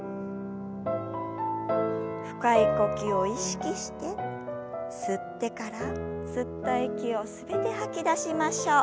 深い呼吸を意識して吸ってから吸った息を全て吐き出しましょう。